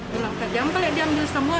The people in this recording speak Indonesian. bilang ke jangan boleh diambil semua